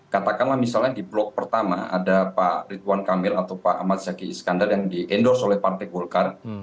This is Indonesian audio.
katakanlah misalnya di blok pertama ada pak ridwan kamil atau pak ahmad zaki iskandar yang di endorse oleh partai golkar